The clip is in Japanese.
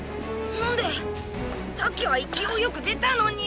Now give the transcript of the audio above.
何で⁉さっきは勢いよく出たのに！